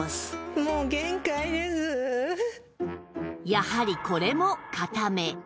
やはりこれも硬め